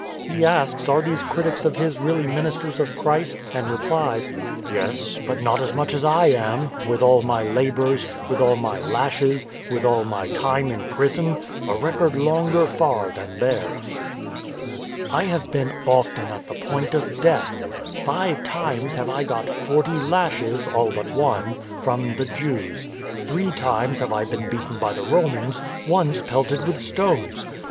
He asks are these critics of his really ministers of Christ, and replies :" Yes, but not as much as I am, with all my labours, with all my lashes, with all my time in prison — a record longer far than theirs. *2 Cor. xii. II R. V. margin, cf. xi. 13. 270 STORM AND STRESS " I have been often at the point of death. Five times have I got forty lashes (all but one) from the Jews, Three times have I been beaten by the Romans, once pelted with stones.